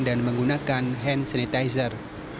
dan menggunakan hand sanitizer